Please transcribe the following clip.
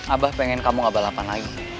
abah pengen kamu gak balapan lagi